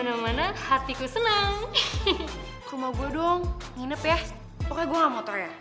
sampai jumpa di video selanjutnya